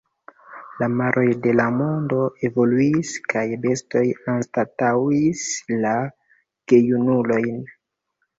La moroj de la mondo evoluis, kaj bestoj anstataŭis la gejunulojn.